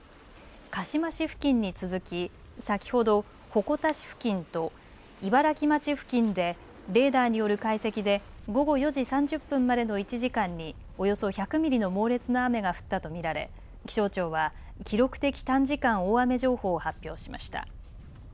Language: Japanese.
鹿嶋市付近に続き先ほど鉾田市付近と茨城町付近でレーダーによる解析で午後４時３０分までの１時間におよそ１００ミリの猛烈な雨が降ったと見られ気象庁は記録的短時間大雨情報を発表しました。